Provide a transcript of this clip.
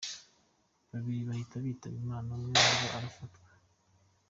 Babiri bahita bitaba Imana umwe muri arafatwa.